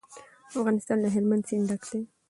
افغانستان له هلمند سیند ډک دی.